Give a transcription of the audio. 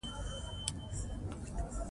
اوړي د افغانستان د زرغونتیا نښه ده.